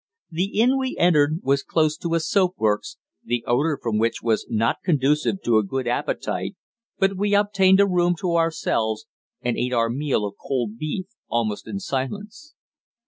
The inn we entered was close to a soap works, the odour from which was not conducive to a good appetite, but we obtained a room to ourselves and ate our meal of cold beef almost in silence.